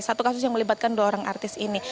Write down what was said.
satu kasus yang melibatkan dua orang artis ini